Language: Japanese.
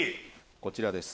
こちらです。